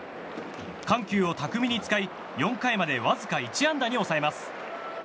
緩急を巧みに使い、４回までわずか１安打に抑えます。